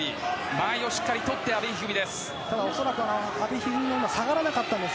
間合いをしっかりとっている阿部一二三です。